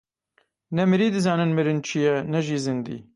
Ne mirî dizanin mirin çi ye, ne jî zindî.